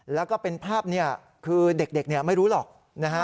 แล้วก็เป็นภาพนี้คือเด็กไม่รู้หรอกนะฮะ